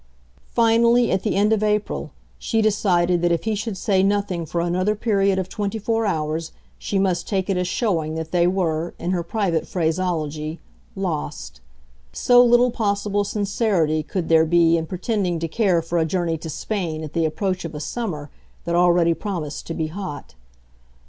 Finally, at the end of April, she decided that if he should say nothing for another period of twenty four hours she must take it as showing that they were, in her private phraseology, lost; so little possible sincerity could there be in pretending to care for a journey to Spain at the approach of a summer that already promised to be hot.